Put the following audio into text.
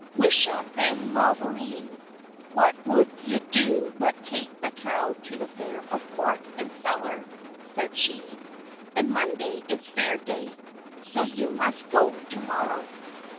"Wisha, then, mavourneen, what would you do but take the cow to the Fair of Cork, and sell her?" said she. "And Monday is Fair day, so you must go to morrow."